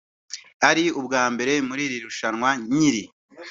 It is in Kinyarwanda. ari ubwa mbere muri iri rushanwa nk’iri